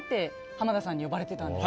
浜田さんに呼ばれてたんです。